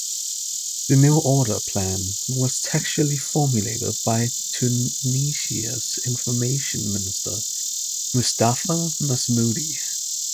The 'new order' plan was textually formulated by Tunisia's Information Minister Mustapha Masmoudi.